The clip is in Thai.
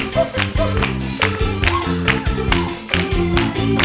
เพลงที่๕มูลค่า๘๐๐๐๐บาท